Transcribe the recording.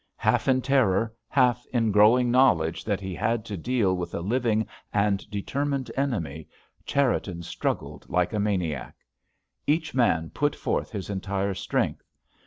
Half in terror, half in growing knowledge that he had to deal with a living and determined enemy, Cherriton struggled like a maniac. Each man put forth his entire strength.